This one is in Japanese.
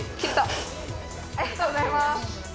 ありがとうございます！